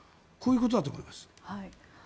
こういうことだと思います。